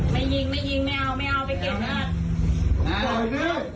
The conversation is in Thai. ไม่ยิงไม่ยิงไม่เอาไม่เอาไปเก็บแบบ